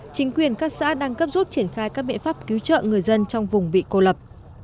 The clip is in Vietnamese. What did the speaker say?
chính quyền các xã đang cấp rút triển khai các biện pháp cứu trợ người dân trong vùng bị cô lập